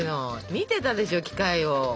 見てたでしょ機械を。